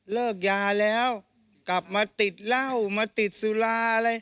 เลิกยาแล้วกลับมาติดเหล้ามาติดสุราอะไร